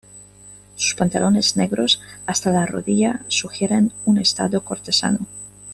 Sus pantalones negros hasta la rodilla sugieren un estado cortesano.